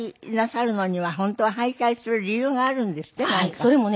それもね